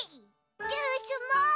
ジュースも！